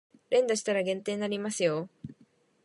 連打したら減点になりますよ